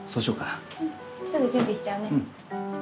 すぐ準備しちゃうね。